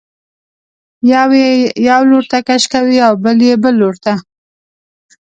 یو یې یو لورته کش کوي او بل یې بل لورته.